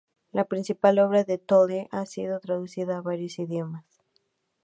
La principal obra de Toole ha sido traducida a varios idiomas.